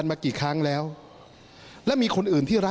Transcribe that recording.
โอ้โห